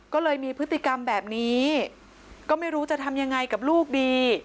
ก็เลยมีพฤติกรรมแบบนี้ก็ไม่รู้จะทำยังไงกับลูกดี